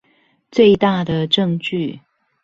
最大的證據